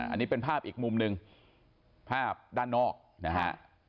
อันนี้เป็นภาพอีกมุมหนึ่งภาพด้านนอกนะฮะ